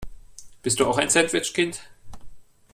Bist du auch ein Sandwich-Kind?